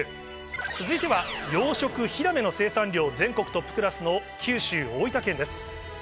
続いては養殖ヒラメが全国生産量トップの九州・大分県です。